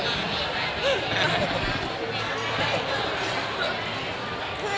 มันก็เรียกว่าเจ้าอยู่แล้ว